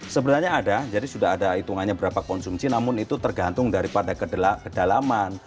sebenarnya ada jadi sudah ada hitungannya berapa konsumsi namun itu tergantung daripada kedalaman